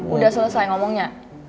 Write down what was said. udah selesai ngomongnya